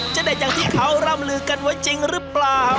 เด็ดอย่างที่เขาร่ำลือกันไว้จริงหรือเปล่า